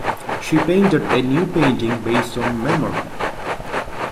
She painted a new painting based on memory.